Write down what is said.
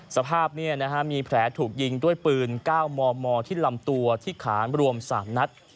สภาพนี้มีแผลถูกยิงด้วยปืน๙มมที่ลำตัวที่ขานรวม๓นัด